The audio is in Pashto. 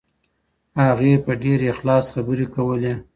هغې په ډیر اخلاص خبرې کولې.